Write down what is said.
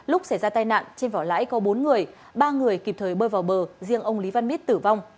lúc xảy ra tai nạn trên vỏ lãi có bốn người ba người kịp thời bơi vào bờ riêng ông lý văn mít tử vong